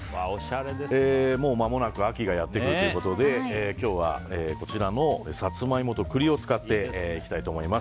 もう間もなく秋がやってくるということで今日は、サツマイモと栗を使っていきたいと思います。